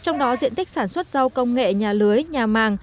trong đó diện tích sản xuất rau công nghệ nhà lưới nhà màng